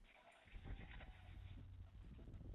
龙州山牡荆为马鞭草科牡荆属下的一个变型。